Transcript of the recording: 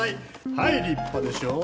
はい立派でしょ？